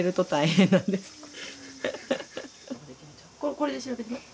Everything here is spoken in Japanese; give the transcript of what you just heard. これで調べるの？